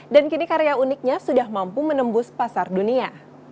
dan kini karya uniknya sudah mampu menembus pasar dunia